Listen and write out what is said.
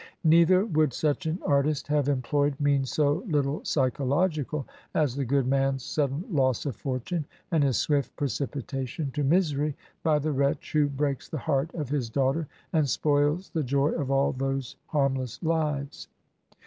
Neither would such an artist have employed means so little psychological as the good man's sudden loss of fortune and his swift precipitation to misery by the wretch who breaks the heart of his daughter, and spoils the joy of all those harmless Kves.